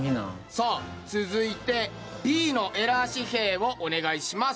さあ続いてＢのエラー紙幣をお願いします。